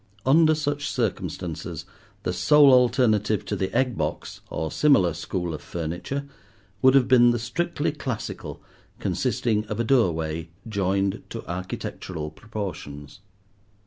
Under such circumstances, the sole alternative to the egg box, or similar school of furniture, would have been the strictly classical, consisting of a doorway joined to architectural proportions.